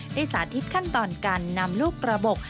จะได้สาธิตขั้นตอนการนำลูกระบก